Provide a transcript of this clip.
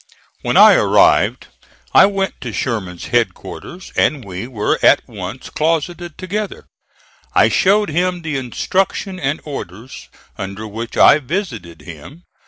When I arrived I went to Sherman's headquarters, and we were at once closeted together. I showed him the instruction and orders under which I visited him.